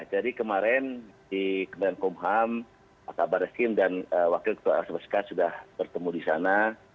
jadi kemarin di kementerian komham pak kabar eskim dan wakil ketua rakyat sma sudah bertemu di sana